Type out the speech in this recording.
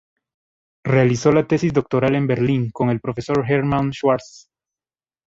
Realizó la tesis doctoral en Berlín con el profesor Hermann Schwarz.